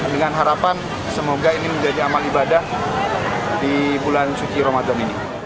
dengan harapan semoga ini menjadi amal ibadah di bulan suci ramadan ini